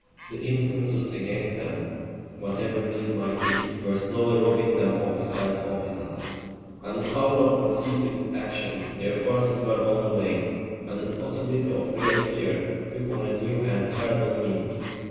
The influences against them, whatever these might be, were slowly robbing them of self confidence, and the power of decisive action; their forces were on the wane, and the possibility of real fear took on a new and terrible meaning.